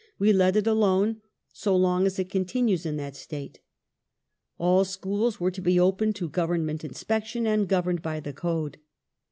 we let it alone so long as it continues in that state." All schools were to be open to Government inspection and governed by the Code.